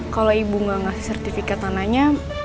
kalau ibu nggak ngasih sertifikat tanahnya